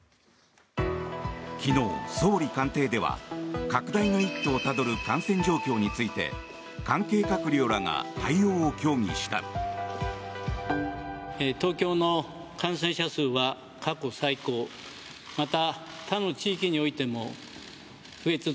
昨日、総理官邸では拡大の一途をたどる感染状況について関係閣僚らが対応を協議した。